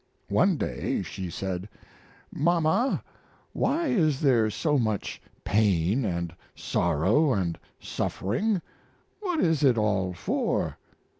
One day she said: "Mama, why is there so much pain and sorrow and suffering? What is it all for?"